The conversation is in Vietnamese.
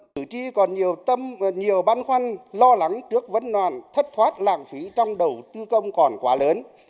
từ khi còn nhiều băn khoăn lo lắng cước vấn đoàn thất thoát lạng phí trong đầu tư công còn quá lớn